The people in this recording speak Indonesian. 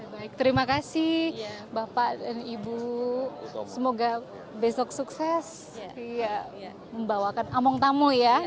baik terima kasih bapak dan ibu semoga besok sukses membawakan among tamu ya